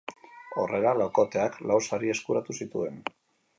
Horrela, laukoteak lau sari eskuratu zituen.